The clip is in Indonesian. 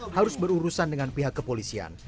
harus berurusan dengan pihak kepolisian